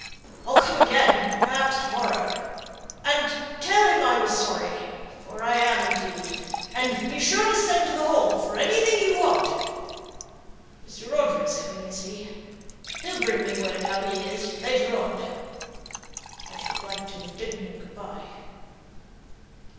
"I'll come again, perhaps to morrow. And tell him I was sorry; for I am indeed. And be sure and send to the Hall for anything you want! Mr. Roger is coming, is he? He'll bring me word how he is, later on. I should like to have bidden him good by."